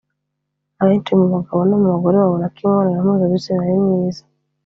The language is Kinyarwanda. Abenshi mu bagabo no mu bagore babona ko imibonano mpuzabitsina ari myiza